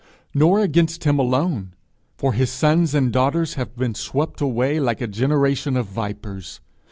nor against him alone, for his sons and daughters have been swept away like a generation of vipers!